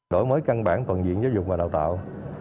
đổi mới căn bản toàn diện giáo dục và đào tạo